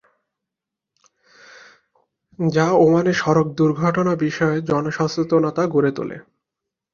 যা ওমানে সড়ক দুর্ঘটনা বিষয় জনসচেতনতা গড়ে তুলে।